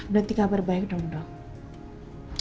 berarti kabar baik dong dok